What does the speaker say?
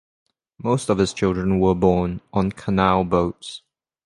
Most of his children were born on canal boats.